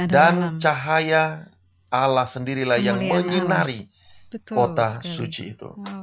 dan cahaya allah sendirilah yang menyinari kota suci itu